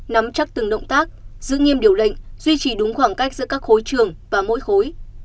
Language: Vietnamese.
nắm chắc từng động tác giữ nghiêm điều lệnh duy trì đúng khoảng cách giữa các khối trường và mỗi khối